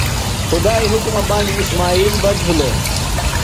خدائی حُکمہ باندیۡ اسمائیل بچ بِھلوۡ۔